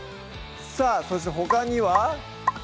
さぁそしてほかには？